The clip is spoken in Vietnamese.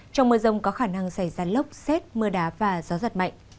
trong mưa rông có khả năng xảy ra lốc xét mưa đá và gió giật mạnh